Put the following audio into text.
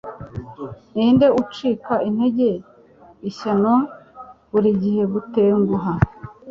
ninde ucika intege, ishyano! burigihe gutenguha